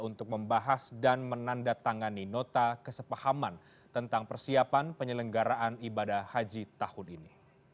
untuk membahas dan menandatangani nota kesepahaman tentang persiapan penyelenggaraan ibadah haji tahun ini